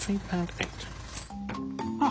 あっ！